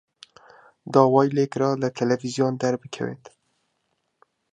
داوای لێ کرا لە تەلەڤیزیۆن دەربکەوێت.